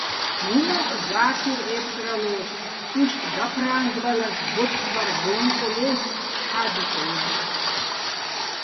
უ̂ნაკ გა́ქირ ებწრალო́ს, იშტ გაფრა́ნგბალაშ ბოთხ ბარ გო́ნწოლ ჲაჲცი̆, ჰ̦ა́დიწოლობ...